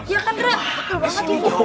ya kan indra